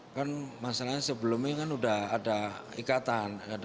kan masalahnya sebelumnya kan sudah ada ikatan